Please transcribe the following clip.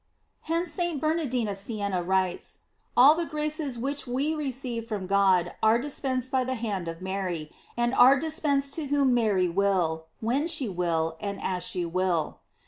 " Hence St. Bernardine of Sienna writes: All the graces which we receive from God are dispensed by the hand of Mary, and are dispensed to whom Mary will, when she will, and as she will.